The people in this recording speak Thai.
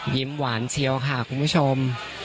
หวานเชียวค่ะคุณผู้ชม